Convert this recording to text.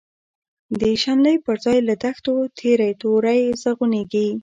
د شنلی پر ځای له دښتو، تیری توری زرغونیږی